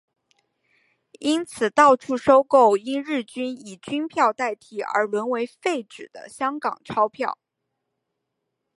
因此到处收购因日军以军票代替而沦为废纸的香港钞票。